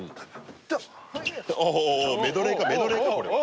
おおメドレーかメドレーかこれは。